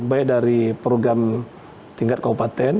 baik dari program tingkat kabupaten